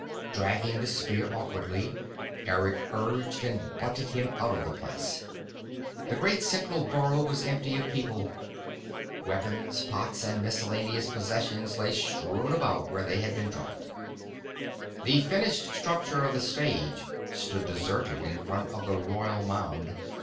Dragging the spear awkwardly, Eric urged and butted him out of the place. The great central burrow was empty of people. Weapons, pots and miscellaneous possessions lay strewn about where they had been dropped. The finished structure of the Stage stood deserted in front of the royal mound.